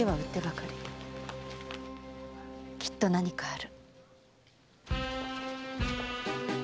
きっと何かある。